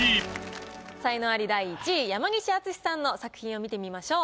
才能アリ第１位山西惇さんの作品を見てみましょう。